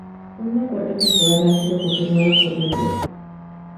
Una cuarta temporada ha sido confirmada por Winkler.